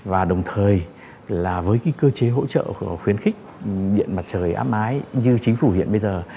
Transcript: và đồng thời là với cái cơ chế hỗ trợ khuyến khích điện mặt trời áp mái như chính phủ hiện bây giờ